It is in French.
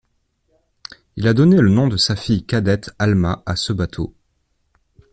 Il a donné le nom de sa fille cadette Alma à ce bateau.